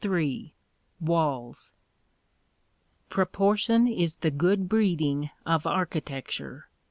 III WALLS Proportion is the good breeding of architecture.